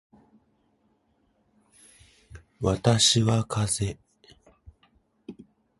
私はかぜ